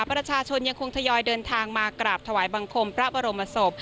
ประชาชนยังคงทยอยเดินทางมากราบถวายบังคมพระบรมศพ